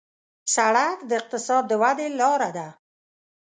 سړک د اقتصاد د ودې لاره ده.